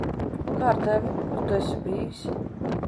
Kā ar tevi, kur tu esi bijis?